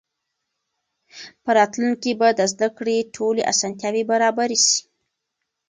په راتلونکي کې به د زده کړې ټولې اسانتیاوې برابرې سي.